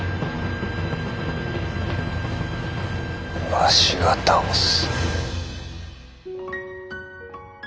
わしが倒す。